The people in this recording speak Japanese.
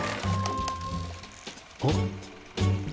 あっ。